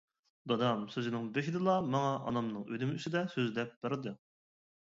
دادام سۆزىنىڭ بېشىدىلا ماڭا ئانامنىڭ ئۆلۈمى ئۈستىدە، سۆزلەپ بەردى.